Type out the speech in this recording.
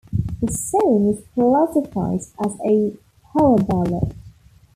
The song is classified as a power ballad.